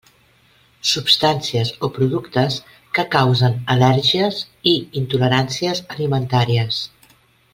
Substàncies o productes que causen al·lèrgies i intoleràncies alimentàries.